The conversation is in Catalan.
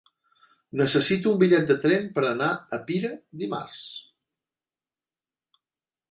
Necessito un bitllet de tren per anar a Pira dimarts.